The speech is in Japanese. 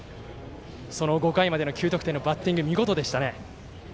その５回までの９得点のバッティング見事でした。